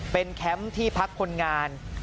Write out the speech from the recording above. เป็นแคมป์ที่พักคนงาน